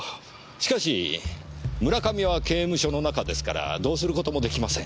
しかし村上は刑務所の中ですからどうすることもできません。